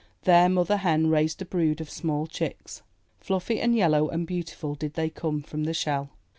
There Mother Hen raised a brood of small chicks. Fluffy and yellow and beautiful did they come from the shell.